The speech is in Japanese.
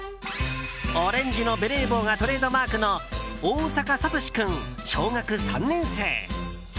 オレンジのベレー帽がトレードマークの大坂聡志君、小学３年生。